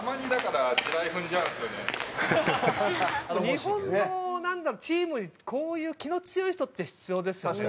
日本のチームにこういう気の強い人って必要ですよね。